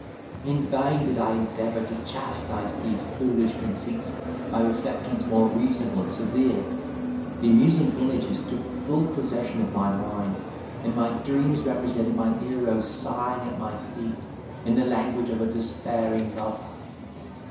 In vain did I endeavour to chastise these foolish conceits by reflections more reasonable and severe: the amusing images took full possession of my mind, and my dreams represented my hero sighing at my feet, in the language of a despairing lover.